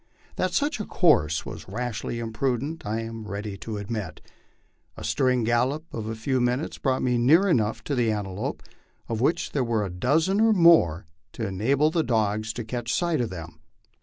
That such a course was rashly imprudent I am ready to admit. A stir ring gallop of a few minutes brought me near enough to the antelope, of which there were a dozen or more, to enable the dogs to catch sight of them.